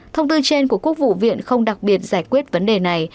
thông tư trên của quốc vụ viện không đặc biệt giải quyết vấn đề này